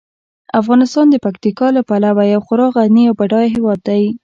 افغانستان د پکتیکا له پلوه یو خورا غني او بډایه هیواد دی.